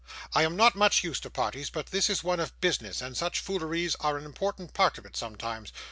I am not much used to parties; but this is one of business, and such fooleries are an important part of it sometimes.